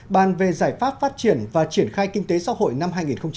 bàn về giải pháp phát triển và triển khai kinh tế xã hội năm hai nghìn một mươi bảy